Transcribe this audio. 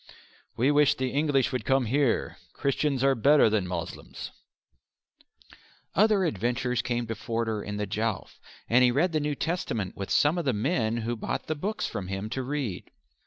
We wish the English would come here; Christians are better than Moslems." Other adventures came to Forder in the Jowf, and he read the New Testament with some of the men who bought the books from him to read.